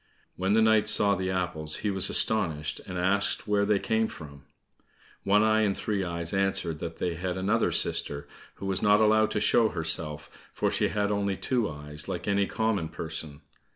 When the knight saw the apples he was astonished, and asked where they came from. One eye and Three eyes answered that they had another sister, who was not allowed to show herself, for she had only two eyes like any common person.